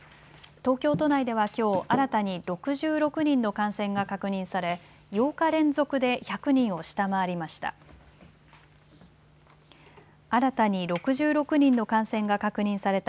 東京都内ではきょう新たに６６人の感染が確認され８日連続で１００人を下回りました。